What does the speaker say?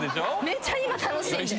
めっちゃ今楽しいんで。